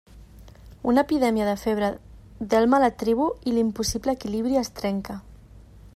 Una epidèmia de febre delma la tribu i l'impossible equilibri es trenca.